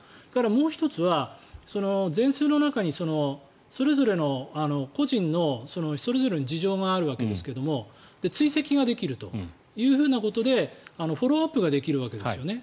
もう１つは、全数の中にそれぞれの個人のそれぞれの事情があるわけですけども追跡ができるということでフォローアップができるわけですよね。